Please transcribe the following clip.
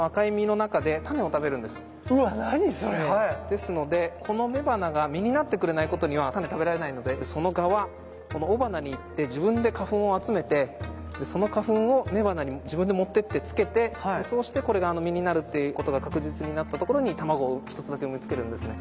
ですのでこの雌花が実になってくれないことにはタネ食べられないのでその蛾はこの雄花に行って自分で花粉を集めてその花粉を雌花に自分で持ってってつけてそうしてこれが実になるっていうことが確実になったところに卵を一つだけ産みつけるんですね。